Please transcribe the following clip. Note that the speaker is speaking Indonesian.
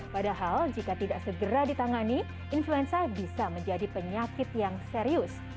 padahal jika tidak segera ditangani influenza bisa menjadi penyakit yang serius